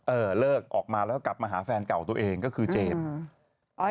เลิกออกมาแล้วก็กลับมาหาแฟนเก่าตัวเองก็คือเจมส์